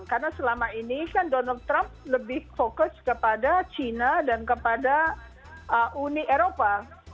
karena selama ini donald trump lebih fokus kepada china dan kepada uni eropa